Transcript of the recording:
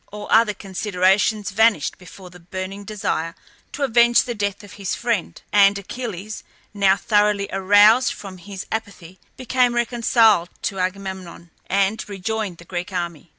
All other considerations vanished before the burning desire to avenge the death of his friend; and Achilles, now thoroughly aroused from his apathy, became reconciled to Agamemnon, and rejoined the Greek army.